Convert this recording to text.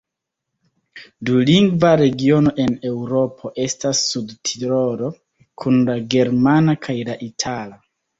Dulingva regiono en Eŭropo estas Sudtirolo, kun la germana kaj la itala.